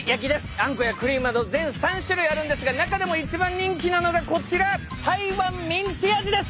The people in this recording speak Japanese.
あんこやクリームなど全３種類あるんですが中でも一番人気なのがこちら台湾ミンチ味です。